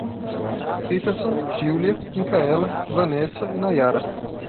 Peterson, Giulia, Micaela, Wanessa e Nayara